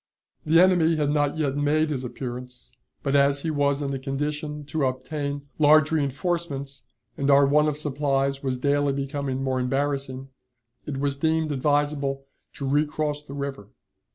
The enemy had not yet made his appearance, but, as he was in a condition to obtain large reënforcements and our want of supplies was daily becoming more embarrassing, it was deemed advisable to recross the river.